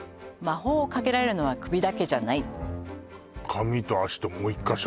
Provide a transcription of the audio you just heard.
髪と足ともう１か所？